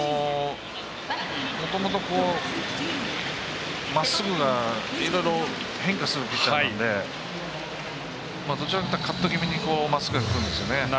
もともとまっすぐ、いろいろ変化するピッチャーなのでどちらかというとカット気味にボールがくるんですよね。